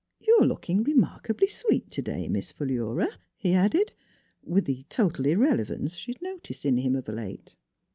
..." You're looking remarkably sweet today, Miss Philura," he added, with the total irrelevance she had noticed in him of late.